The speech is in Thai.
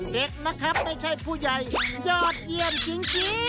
เด็กนะครับไม่ใช่ผู้ใหญ่ยอดเยี่ยมจริง